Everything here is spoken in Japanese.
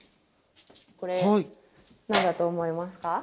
これ何だと思いますか？